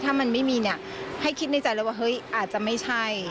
ถ้ามันไม่มีเนี่ยให้คิดในใจแล้วว่าเฮ้ยอาจจะไม่ใช่